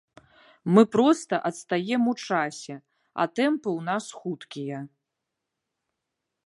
Мы проста адстаем у часе, а тэмпы ў нас хуткія.